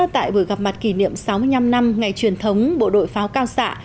tại buổi gặp mặt kỷ niệm sáu mươi năm năm ngày truyền thống bộ đội pháo cao xạ